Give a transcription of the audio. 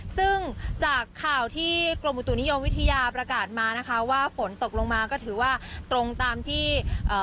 ซึ่งจากข่าวที่กรมอุตุนิยมวิทยาประกาศมานะคะว่าฝนตกลงมาก็ถือว่าตรงตามที่เอ่อ